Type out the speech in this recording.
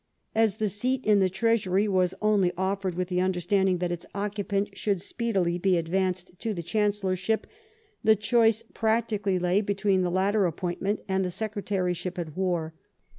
As the seat in the Treasury was only offered with the understanding that its occupant should speedily be advanced to the Gbancellorship, the choice practically lay between the latter appointment and the Secretaryship at War.